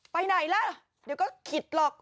ไปไหนล่ะเดี๋ยวก็คิดหรอก